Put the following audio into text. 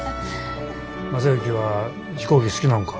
正行は飛行機好きなんか？